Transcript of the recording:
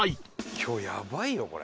今日やばいよこれ。